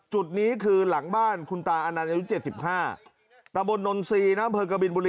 จุดนี้คือหลังบ้านคุณตาอันนั้นยังอยู่เจ็ดสิบห้าประบวนนทรีย์น้ำเผลอกะบิลบุรี